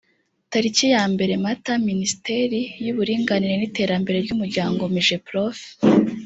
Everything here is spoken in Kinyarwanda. tariki ya mbere mata minisiteri y uburinganire n iterambere ry umuryango migeprof